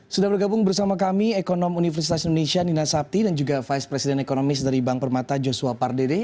sudah bergabung bersama kami ekonom universitas indonesia nina sapti dan juga vice president ekonomis dari bank permata joshua pardede